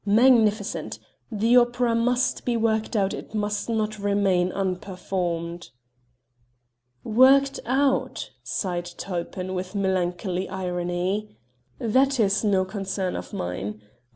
... magnificent! The opera must be worked out it must not remain unperformed!" "Worked out!" sighed Tulpin with melancholy irony. "That is no concern of mine.